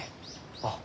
あっ。